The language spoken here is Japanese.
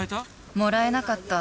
もらえなかった。